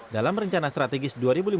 dalam rencana strategis dua ribu lima belas